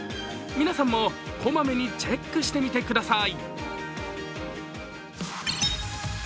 皆さんも小まめにチェックしてみてください。